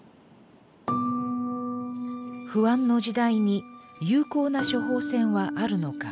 不安の時代に有効な処方箋はあるのか。